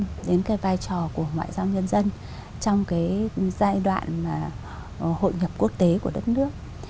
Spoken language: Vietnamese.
quan tâm đến cái vai trò của ngoại giao nhân dân trong cái giai đoạn hội nhập quốc tế của đất nước